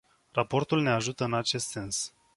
Raportul ne ajută în acest sens.